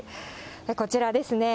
こちらですね。